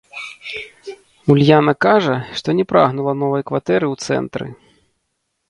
Ульяна кажа, што не прагнула новай кватэры ў цэнтры.